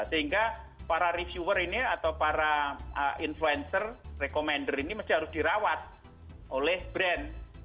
sehingga para reviewer ini atau para influencer recommender ini masih harus dirawat oleh brand